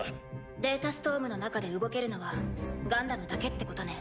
データストームの中で動けるのはガンダムだけってことね。